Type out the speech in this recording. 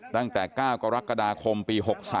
ตั้งแต่๙กรกฎาคมปี๖๓